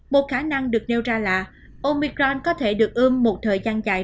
một khả năng được nêu ra là omicron có thể được ươm một thời gian dài